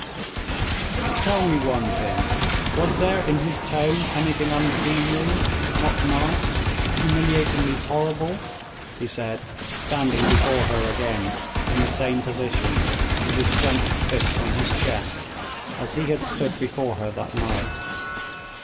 "But tell me one thing: was there in his tone anything unseemly, not nice, humiliatingly horrible?" he said, standing before her again in the same position with his clenched fists on his chest, as he had stood before her that night.